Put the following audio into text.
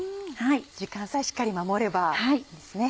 時間さえしっかり守ればいいですね。